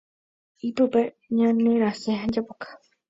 Ipype ñanerasẽ ha japuka.